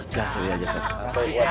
jasa dia jasa dia